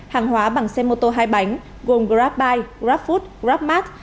hàng hóa bằng xe mô tô hai bánh gồm grabbuy grabfood grabmart